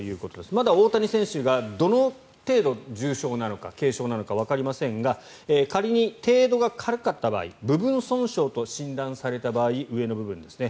まだ大谷選手がどの程度、重傷なのか軽傷なのかわかりませんが仮に程度が軽かった場合部分損傷と診断された場合上の部分ですね